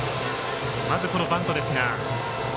まず、バントですが。